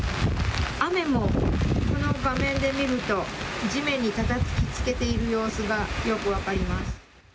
雨もこの画面で見ると、地面にたたきつけている様子がよく分かります。